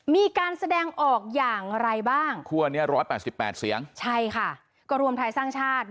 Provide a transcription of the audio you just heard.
มีการแสดงออกอย่างไรบ้างคั่วนี้๑๘๘เสียงใช่ค่ะก็รวมไทยสร้างชาติ